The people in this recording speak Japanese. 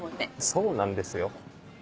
そうなんですよ。